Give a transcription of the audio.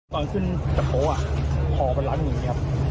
ตอนขึ้นจับโผล่คอบรรลันด์อย่างนี้ครับ